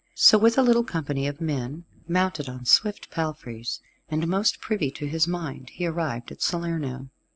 So with a little company of men, mounted on swift palfreys, and most privy to his mind, he arrived at Salerno.